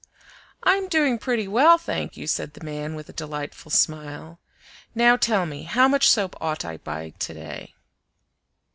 "I'm doing pretty well, thank you," said the man, with a delightful smile. "Now tell me, how much soap ought I to buy to day?"